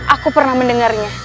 aku pernah mendengarnya